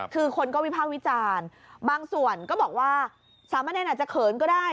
คือคนก็วิภาควิจารณ์บางส่วนก็บอกว่าสามเณรอาจจะเขินก็ได้